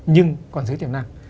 nhưng còn dưới tiềm năng